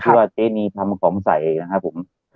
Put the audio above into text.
ที่ว่าเจ๊นีทำของใสเองนะครับผม